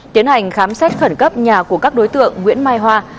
tiến hành khám xét khẩn cấp nhà của các đối tượng nguyễn mai hoa